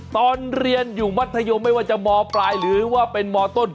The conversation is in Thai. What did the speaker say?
ตอนเรียนอยู่มัธยมไม่ว่าจะมปลายหรือว่าเป็นมต้น